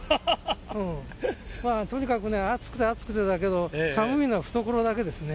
まあとにかくね、暑くて暑くてだけど、寒いのは懐だけですね。